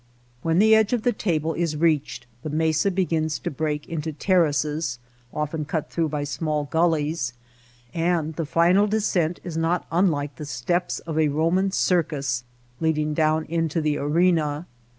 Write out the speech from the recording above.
When the edge of the table is reached the mesa begins to break into terraces (often cut through by small gullies), and the final descent is not unlike the steps of a Eoman circus leading down into the arena.